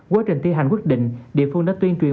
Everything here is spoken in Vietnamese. quá trình thi hành quyết định địa phương đã tuyên truyền